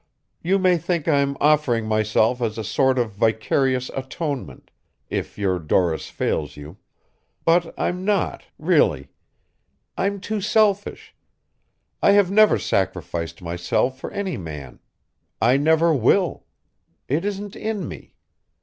You may think I'm offering myself as a sort of vicarious atonement if your Doris fails you but I'm not, really. I'm too selfish. I have never sacrificed myself for any man. I never will. It isn't in me.